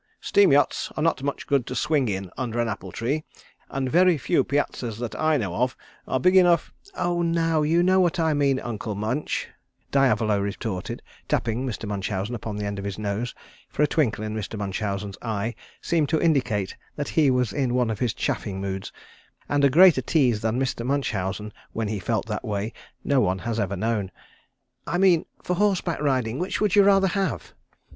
Steam yachts are not much good to swing in under an apple tree, and very few piazzas that I know of are big enough " "Oh, now, you know what I mean, Uncle Munch," Diavolo retorted, tapping Mr. Munchausen upon the end of his nose, for a twinkle in Mr. Munchausen's eye seemed to indicate that he was in one of his chaffing moods, and a greater tease than Mr. Munchausen when he felt that way no one has ever known. "I mean for horse back riding, which would you rather have?"